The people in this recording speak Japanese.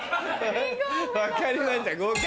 分かりました合格。